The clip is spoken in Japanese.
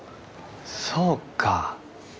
そうか。